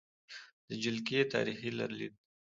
د جلکې تاریخې لرلید: